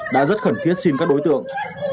đã rất khẩn thiết xin các đối tượng